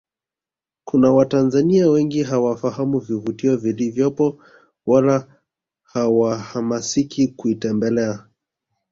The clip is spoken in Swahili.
Kuna Watanzania wengi hawafahamu vivutio vilivyopo wala hawahamasiki kuitembelea